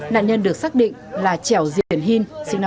nạn nhân được xác định là trẻo diện hìn sinh năm một nghìn chín trăm chín mươi